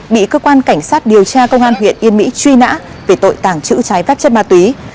bị cơ quan cảnh sát điều tra công an huyện yên mỹ truy nã về tội tàng trữ trái phép chất ma túy